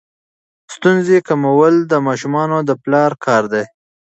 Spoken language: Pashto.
ستونزې کمول د ماشومانو د پلار کار دی.